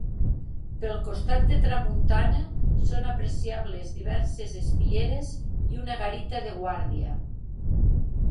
Pel costat de tramuntana són apreciables diverses espieres i una garita de guàrdia.